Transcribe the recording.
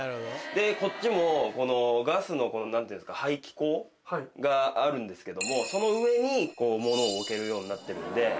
でこっちもこのガスの何ていうんですか排気口があるんですけどもその上に物を置けるようになってるんで。